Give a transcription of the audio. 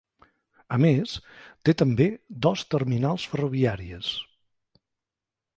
A més, té també dos terminals ferroviàries.